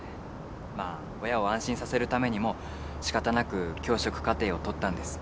まあ親を安心させるためにも仕方なく教職課程を取ったんです。